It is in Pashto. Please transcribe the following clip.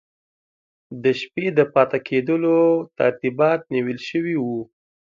د شپې د پاته کېدلو ترتیبات نیول سوي وو.